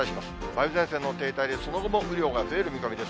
梅雨前線の停滞で、その後も雨量が増える見込みです。